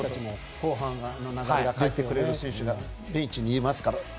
後半の流れを変えてくれる選手がベンチにいますからね。